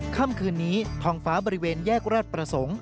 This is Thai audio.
ค่ำคืนนี้ทองฟ้าบริเวณแยกราชประสงค์